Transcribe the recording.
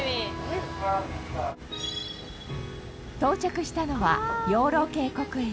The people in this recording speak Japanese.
到着したのは養老渓谷駅。